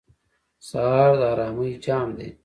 سهار د آرامۍ جام دی.